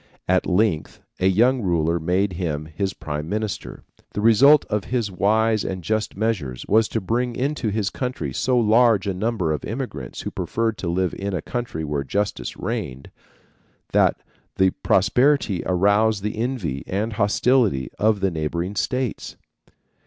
At length a young ruler made him his prime minister. The result of his wise and just measures was to bring into his country so large a number of immigrants who preferred to live in a country where justice reigned, that the prosperity aroused the envy and hostility of the neighboring states.